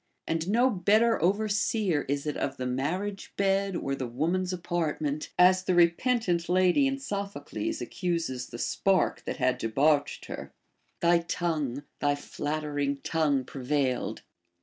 And no better overseer is it of the marriage bed or the woman's apartment ; as the repentant lady in Sophocles accuses the spark that had debauched her, — Thy tongue, tliy flattering tongue prevailed.